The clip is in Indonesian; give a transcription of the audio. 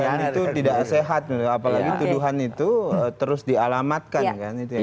dan itu tidak sehat apalagi tuduhan itu terus dialamatkan